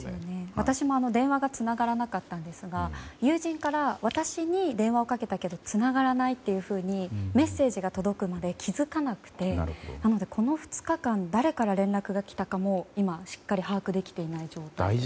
私も電話がつながらなかったんですが友人から、私に電話をかけたけどつながらないというふうにメッセージが届くまで気づかなくて、この２日間誰から連絡が来たかも今、しっかり把握できていない状態です。